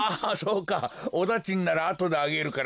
おだちんならあとであげるからたのんだよ。